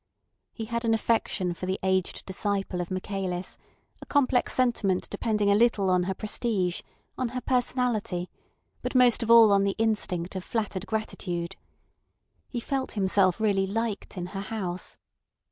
He had an affection for the aged disciple of Michaelis, a complex sentiment depending a little on her prestige, on her personality, but most of all on the instinct of flattered gratitude. He felt himself really liked in her house.